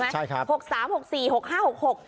ใช่ครับ